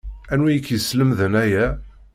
Anwi i k-yeslemden aya?